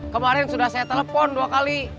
kemarin sudah saya telepon dua kali